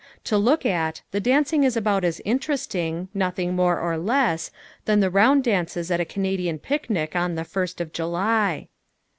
To look at, the dancing is about as interesting, nothing more or less, than the round dances at a Canadian picnic on the first of July.